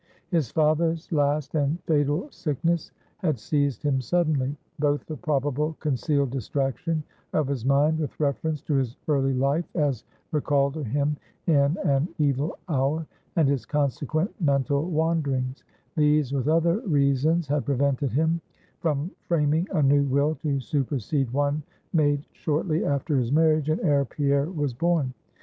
His father's last and fatal sickness had seized him suddenly. Both the probable concealed distraction of his mind with reference to his early life as recalled to him in an evil hour, and his consequent mental wanderings; these, with other reasons, had prevented him from framing a new will to supersede one made shortly after his marriage, and ere Pierre was born.